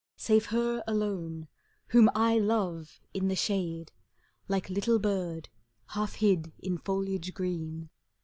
Save her alone, whom I love in the shade. Like little bird half hid in foliage green.